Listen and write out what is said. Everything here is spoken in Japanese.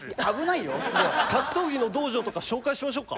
格闘技の道場とか紹介しましょうか？